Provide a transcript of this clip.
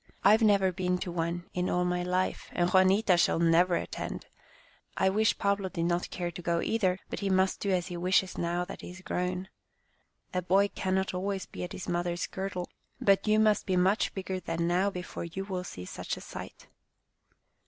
" I have never been to one in all my life, and Juanita shall never attend. I wish Pablo did not care to go, either, but he must do as he wishes now that he is grown. A boy cannot always be at his mother's girdle, but you must be much bigger than now before you will see such a sight."